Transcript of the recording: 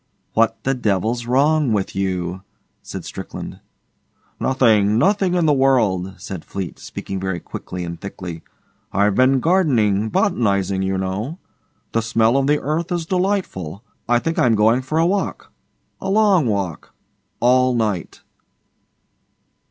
'What the devil's wrong with you?' said Strickland. 'Nothing, nothing in the world,' said Fleete, speaking very quickly and thickly. 'I've been gardening botanising you know. The smell of the earth is delightful. I think I'm going for a walk a long walk all night.